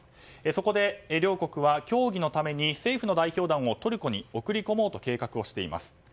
そこで両国は協議のために政府の代表団をトルコに送り込もうと計画をしています。